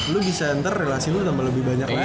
lu bisa enter relasi lu ditambah lebih banyak lagi